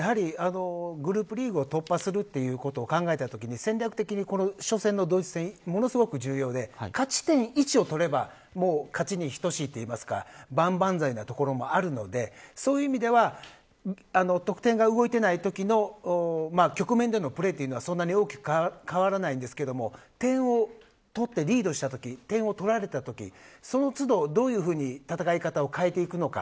やはりグループリーグを突破するということを考えたときに戦略的に初戦のドイツ戦ものすごく重要で勝ち点１を取れば勝ちに等しいというか万歳なところもあるのでそういう意味では得点が動いていないときの局面でのプレーというのはそんなに大きく変わらないんですけど点を取ってリードしたとき点を取られたときその都度、どういうふうに戦い方を変えていくのか。